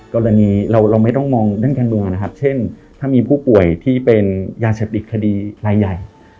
กรณีเราไม่ต้องมองเรื่องการเมืองนะครับเช่นถ้ามีผู้ป่วยที่เป็นยาเสพติดคดีรายใหญ่